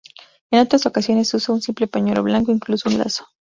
En otras ocasiones se usa un simple pañuelo blanco, incluso un lazo.